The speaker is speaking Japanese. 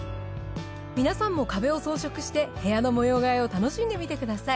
皆さんも壁を装飾して部屋の模様替えを楽しんでみてください。